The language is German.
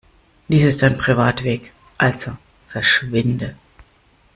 Dies ist ein Privatweg, also verschwinde!